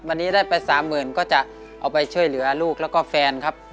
มานี้ได้ไป๓๐๐๐๐ก็จะเอาไปเชิญเหลือลูกแล้วก็แฟนครับ